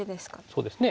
そうですね。